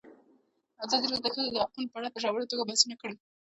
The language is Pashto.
ازادي راډیو د د ښځو حقونه په اړه په ژوره توګه بحثونه کړي.